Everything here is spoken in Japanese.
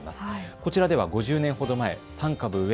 こちらでは５０年ほど前、３株植え